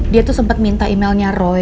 dia tuh sempat minta emailnya roy